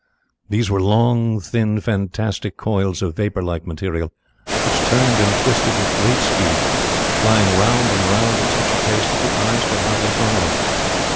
These were long, thin, fantastic coils of vapour like material, which turned and twisted with great speed, flying round and round at such a pace that the eyes could hardly follow them.